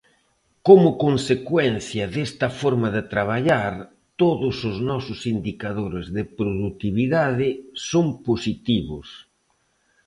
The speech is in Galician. Como consecuencia desta forma de traballar, todos os nosos indicadores de produtividade son positivos.